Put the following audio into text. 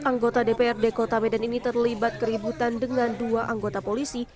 anggota dprd kota medan ini terlibat keributan dengan dua anggota polisi